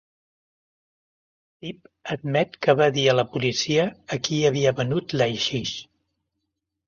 Tip admet que va dir a la policia a qui havia venut l'haixix.